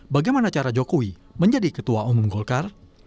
bagaimana cara jokowi menjadi ketua umum golkar